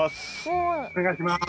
お願いします。